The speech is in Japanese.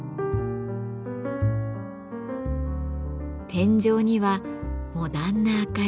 天井にはモダンな明かり。